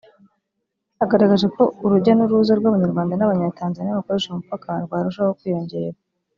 agaragaje ko urujya n’uruza rw’Abanyarwanda n’Abanyatanzaniya bakoresha uyu mupaka rwarushaho kwiyongera